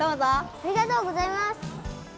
ありがとうございます。